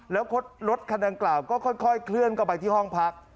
แล้วรถคันดังกล่าวก็ค่อยเคลื่อนเข้าไปที่ห้องพัก